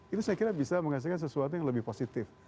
itu saya kira bisa menghasilkan sesuatu yang lebih positif